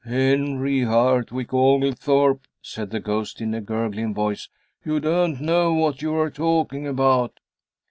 "Henry Hartwick Oglethorpe," said the ghost, in a gurgling voice, "you don't know what you are talking about."